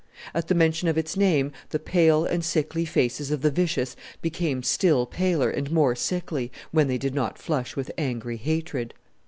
At the mention of its name the pale and sickly faces of the vicious became still paler and more sickly, when they did not flush with angry hatred.